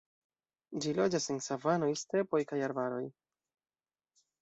Ĝi loĝas en savanoj, stepoj, kaj arbaroj.